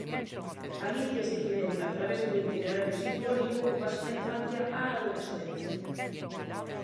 Alicia experimenta, a través dun itinerario simbólico, o paso da infancia á adolescencia.